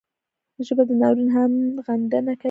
ژبه د ناورین هم غندنه کوي